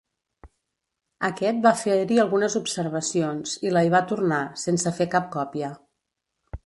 Aquest va fer-hi algunes observacions i la hi va tornar, sense fer cap còpia.